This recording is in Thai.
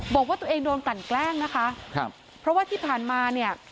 บอกว่าตัวเองโดนกลั่นแกล้งนะคะครับเพราะว่าที่ผ่านมาเนี่ย